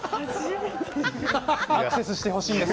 アクセスしてほしいんです。